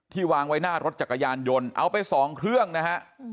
วางไว้หน้ารถจักรยานยนต์เอาไปสองเครื่องนะฮะ